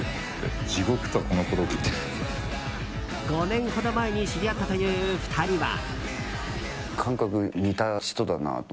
５年ほど前に知り合ったという２人は。